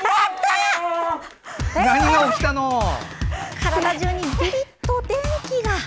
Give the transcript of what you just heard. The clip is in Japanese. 体中にビリッと電気が。